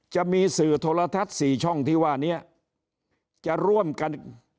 จะมีสื่อโทรทัศน์๔ช่องที่ว่านี้จะร่วมกัน